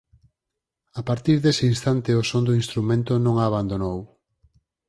A partir dese instante o son do instrumento non a abandonou.